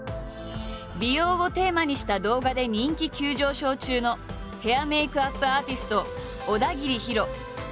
美容をテーマにした動画で人気急上昇中のヘア＆メイクアップアーティスト小田切ヒロ。